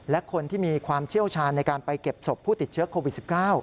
และคนที่มีความเชี่ยวชาญในการไปเก็บศพผู้ติดเชื้อโควิด๑๙